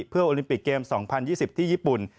เพื่อโอลิมปิกเกม๒๐๒๐ที่ญี่ปุ่น